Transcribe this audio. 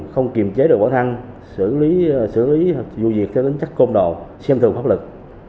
không kiềm chế được bỏ thăng xử lý vụ việc theo tính chất công đồ xem thường pháp lực